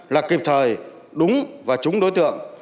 là kịp thời đúng và trúng đối tượng